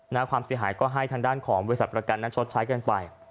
นะความเสียหายก็ให้ทางด้านของวิวสัตว์ประกันนักชดใช้เกินไป